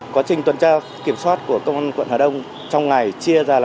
quá trình tuần tra kiểm soát của công an quận hà đông trong ngày chia ra làm ba lượt